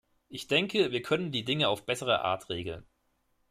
Ich denke, wir können die Dinge auf bessere Art regeln.